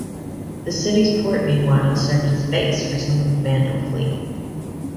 The city's port meanwhile served as a base for some of the Vandal fleet.